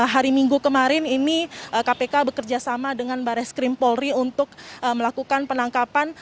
hari minggu kemarin ini kpk bekerja sama dengan barai skrim polri untuk melakukan penangkapan